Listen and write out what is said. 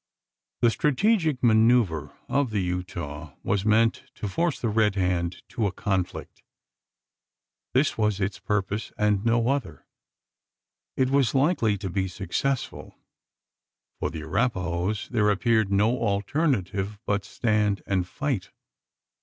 The strategic manoeuvre of the Utah was meant to force the Red Hand to a conflict. This was its purpose, and no other. It was likely to be successful. For the Arapahoes, there appeared no alternative but stand and fight.